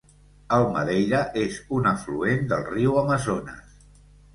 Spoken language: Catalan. El Madeira és un afluent del riu Amazones.